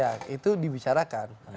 ya itu dibicarakan